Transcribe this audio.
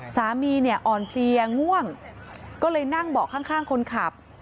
สามีเนี่ยอ่อนเพลียง่วงก็เลยนั่งเบาะข้างคนขับ